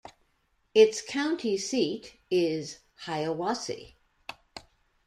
Its county seat is Hiawassee.